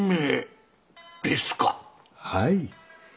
はい。